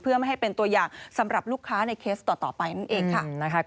เพื่อไม่ให้เป็นตัวอย่างสำหรับลูกค้าในเคสต่อไปนั่นเองค่ะ